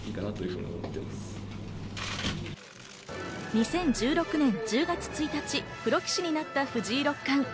２０１６年１０月１日、プロ棋士になった藤井六冠。